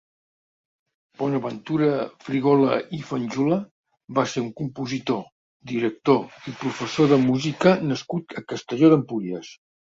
Bonaventura Frigola i Fanjula va ser un compositor, director i professor de música nascut a Castelló d'Empúries.